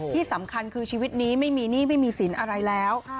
ที่สำคัญคือชีวิตนี้ไม่มีธุระนะไม่มีธุระอะไรแล้ว